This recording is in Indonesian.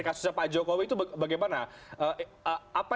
kasusnya pak jokowi itu bagaimana